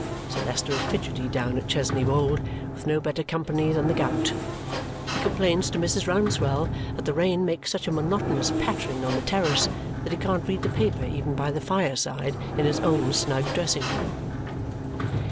Sir Leicester is fidgety down at Chesney Wold, with no better company than the gout; he complains to Mrs. Rouncewell that the rain makes such a monotonous pattering on the terrace that he can't read the paper even by the fireside in his own snug dressing room.